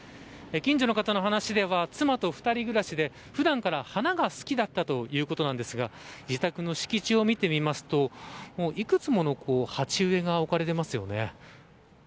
近所の方の話では妻と２人暮らしで普段から花が好きだったということですが自宅の敷地を見てみますといくつもの鉢植えが置かれていますよね。